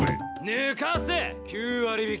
抜かせ９割引き！